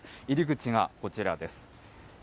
入り口がこちらです。